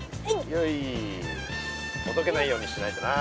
よいほどけないようにしないとな。